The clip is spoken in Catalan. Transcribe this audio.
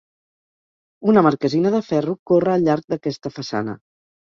Una marquesina de ferro corre al llarg d'aquesta façana.